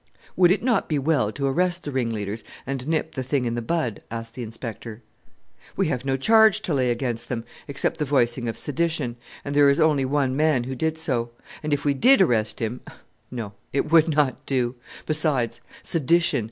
"Would it not be well to arrest the ringleaders, and nip the thing in the bud?" asked the Inspector. "We have no charge to lay against them, except the voicing of sedition; and there was only one man who did so. And if we did arrest him no! it would not do! Besides: sedition!